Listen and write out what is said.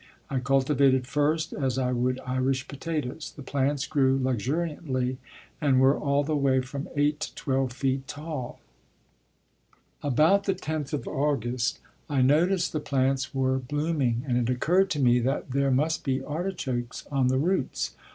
I cultivated first as I would Irish potatoes. The plants grew luxuriantly and were all the way from 8 to 12 feet tall. About the 10th of August I noticed the plants were blooming and it occurred to me that there must be artichokes on the roots.